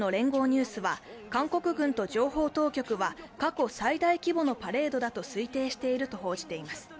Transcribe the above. ニュースは韓国軍と情報当局は過去最大規模のパレードだと推定していると報じています。